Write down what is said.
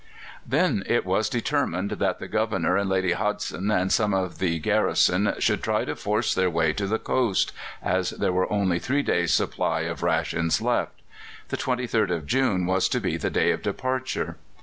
Then it was determined that the Governor and Lady Hodgson and most of the garrison should try to force their way to the coast, as there were only three days' supply of rations left. The 23rd of June was to be the day of departure.